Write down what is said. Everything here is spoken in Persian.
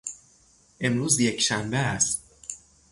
امروز یکشنبه است.